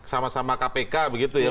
sama sama kpk begitu ya